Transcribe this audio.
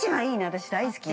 私、大好き。